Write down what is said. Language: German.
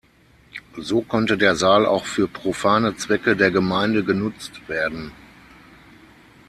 So konnte der Saal auch für profane Zwecke der Gemeinde genutzt werden.